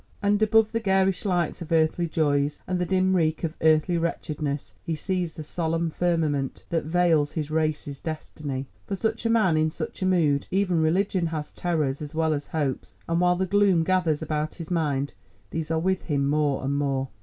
And above the garish lights of earthly joys and the dim reek of earthly wretchedness, he sees the solemn firmament that veils his race's destiny. For such a man, in such a mood, even religion has terrors as well as hopes, and while the gloom gathers about his mind these are with him more and more.